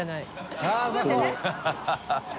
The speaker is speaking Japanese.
ハハハ